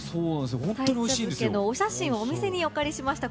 お写真をお店にお借りしました。